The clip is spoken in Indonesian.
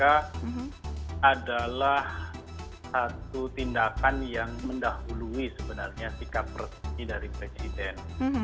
karena adalah satu tindakan yang mendahului sebenarnya sikap resmi dari presiden